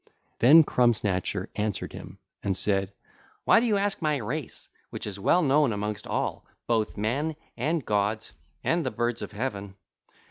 (ll. 24 55) Then Crumb snatcher answered him and said: 'Why do you ask my race, which is well known amongst all, both men and gods and the birds of heaven?